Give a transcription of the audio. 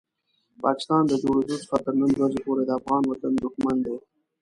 پاکستان د جوړېدو څخه تر نن ورځې پورې د افغان وطن دښمن دی.